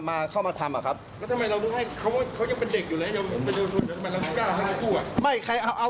ยังเป็นเด็กอยู่แล้วทำไมเราก็ได้เอา๕ตัว